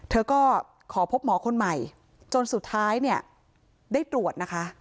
เธอก็ขอพบหมอคนใหม่จนสุดท้ายเนี่ยได้ตรวจนะคะ